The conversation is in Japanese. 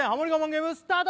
ゲームスタート